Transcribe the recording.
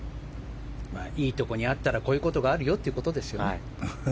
いいところにあったらこういうことがあるよってことですね。